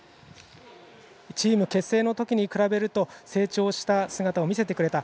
チーム結成の時に比べると成長した姿を見せてくれた。